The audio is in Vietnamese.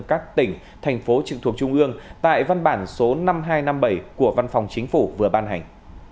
các tỉnh thành phố trực thuộc trung ương tại văn bản số năm nghìn hai trăm năm mươi bảy của văn phòng chính phủ vừa ban hành